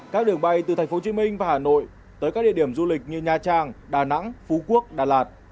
các đường bay từ tp hcm và hà nội tới các địa điểm du lịch như nha trang đà nẵng phú quốc đà lạt